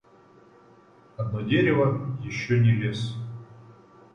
Одно дерево еще не лес.